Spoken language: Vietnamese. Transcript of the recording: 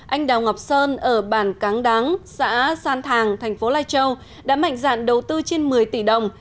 anh đào ngọc sơn ở bản cáng đáng xã san thàng thành phố lai châu đã mạnh dạn đầu tư trên một mươi tỷ đồng